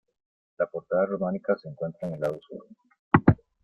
La portada románica se encuentra en el lado Sur.